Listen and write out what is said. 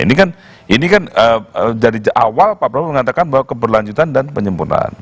ini kan ini kan dari awal pak prabowo mengatakan bahwa keberlanjutan dan penyempurnaan